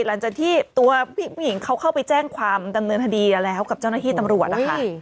หลังจากที่ตัวผู้หญิงเขาเข้าไปแจ้งความดำเนินคดีแล้วกับเจ้าหน้าที่ตำรวจนะคะ